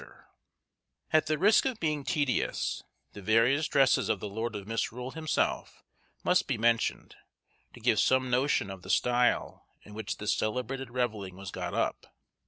] At the risk of being tedious, the various dresses of the lord of Misrule himself must be mentioned, to give some notion of the style in which this celebrated revelling was got up.